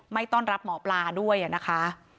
ต้อนรับหมอปลาด้วยนะคะ